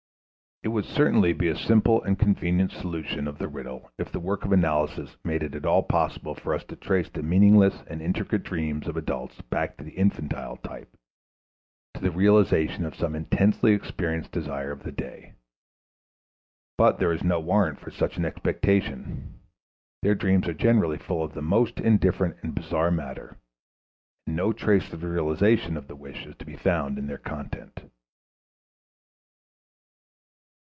It would certainly be a simple and convenient solution of the riddle if the work of analysis made it at all possible for us to trace the meaningless and intricate dreams of adults back to the infantile type, to the realization of some intensely experienced desire of the day. But there is no warrant for such an expectation. Their dreams are generally full of the most indifferent and bizarre matter, and no trace of the realization of the wish is to be found in their content.